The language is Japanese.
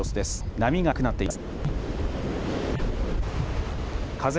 波が高くなっています。